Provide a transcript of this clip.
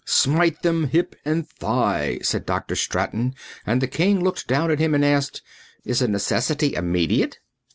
"Smite them hip and thigh," said Dr. Straton and the king looked down at him and asked, "Is the necessity immediate?"